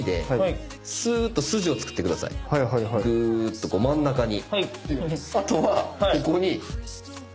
ぐーっと真ん中に。